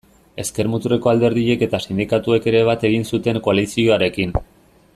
Ezker-muturreko alderdiek eta sindikatuek ere bat egin zuten koalizioarekin.